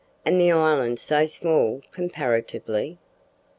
and the island so small, comparatively."